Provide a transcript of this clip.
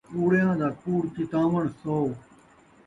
کوڑیاں دا کوڑ چتاوݨ سو